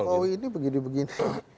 oh iya jokowi ini begini begini